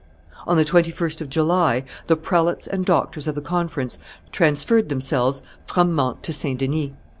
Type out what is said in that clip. On the 21st of July, the prelates and doctors of the conference transferred themselves from Mantes to St. Denis.